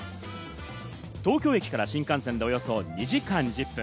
東京駅から新幹線でおよそ２時間１０分。